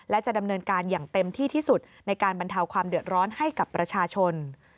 และจะดำเนินการอย่างเต็มที่ที่สุดในการบรรเทาความเดือดร้อนให้กับประชาชน